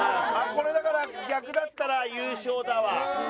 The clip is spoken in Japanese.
これだから逆だったら優勝だわ。